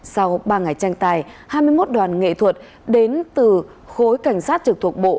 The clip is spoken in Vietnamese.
sau ba ngày tranh tài hai mươi một đoàn nghệ thuật đến từ khối cảnh sát trực thuộc bộ